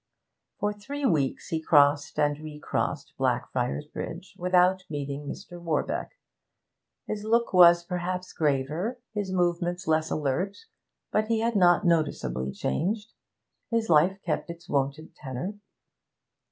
For three weeks he crossed and recrossed Blackfriars Bridge without meeting Mr. Warbeck. His look was perhaps graver, his movements less alert, but he had not noticeably changed; his life kept its wonted tenor.